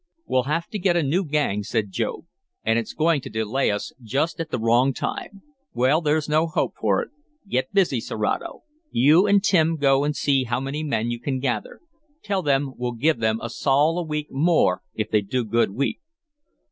"We'll have to get a new gang," said Job. "And it's going to delay us just at the wrong time. Well, there's no help for it. Get busy, Serato. You and Tim go and see how many men you can gather. Tell them we'll give them a sol a week more if they do good work.